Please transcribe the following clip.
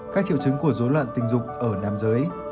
các triệu chứng của dối loạn tình dục ở nam giới